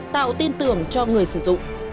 tạo tin tưởng cho người sử dụng